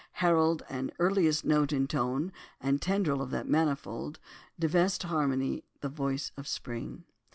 Herald and earliest note in tone and tendril of that manifold, divinest harmony, the Voice of Spring.